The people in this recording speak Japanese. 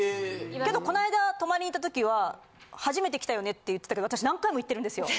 けどこないだ泊まりに行った時は「初めて来たよね」って言ってたけど私何回も行ってるんですよ。